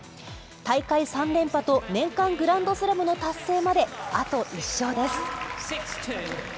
大会３連覇と年間グランドスラムの達成まであと１勝です。